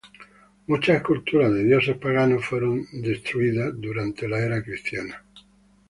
Muchas esculturas de dioses paganos fueron destruidas durante la era cristiana.